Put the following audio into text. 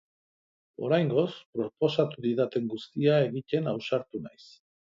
Oraingoz, proposatu didaten guztia egiten ausartu naiz.